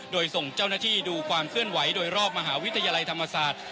โดยส่งเจ้าหน้าที่ดูความเคลื่อนไหวโดยรอบมหาวิทยาลัยธรรมศาสตร์